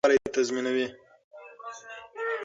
مور د ماشوم د خوړو پاکوالی تضمينوي.